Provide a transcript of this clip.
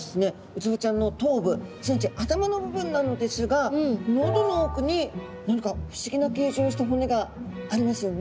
ウツボちゃんの頭部すなわち頭の部分なのですが喉の奥に何か不思議な形状をした骨がありますよね。